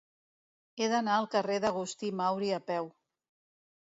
He d'anar al carrer d'Agustí Mauri a peu.